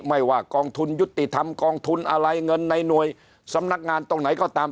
ไม่ว่ากองทุนยุติธรรมกองทุนอะไรเงินในหน่วยสำนักงานตรงไหนก็ตาม